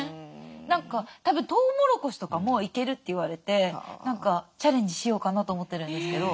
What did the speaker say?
何かたぶんトウモロコシとかもいけるって言われて何かチャレンジしようかなと思ってるんですけど。